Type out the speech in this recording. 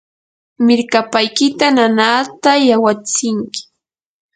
mirkapaykita nanaata yawatsinki.